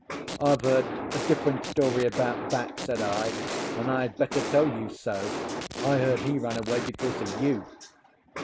"I've heard a different story about that," said I, "and I had better tell you so. I heard he ran away because of you."